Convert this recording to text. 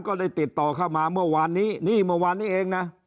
ก็เลยติดต่อเข้ามาเมื่อวานนี้นี่เมื่อวานนี้เองนะ